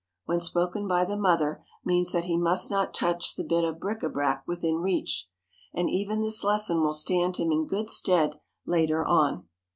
when spoken by the mother means that he must not touch the bit of bric à brac within reach. And even this lesson will stand him in good stead later on.